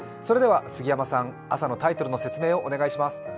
杉山さん、朝のタイトルの説明をお願いします。